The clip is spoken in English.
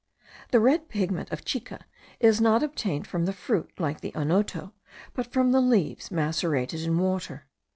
The red pigment of chica is not obtained from the fruit, like the onoto, but from the leaves macerated in water.